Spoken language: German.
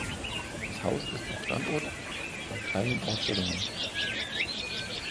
Das Haus ist auch Standort von kleinen Ausstellungen.